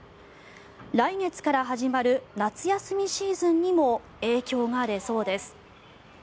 来月から始まる夏休みシーズンにも影響が出そうです。